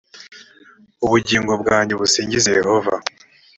ubugingo bwanjye busingize yehova